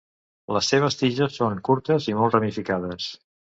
Les seves tiges són curtes i molt ramificades.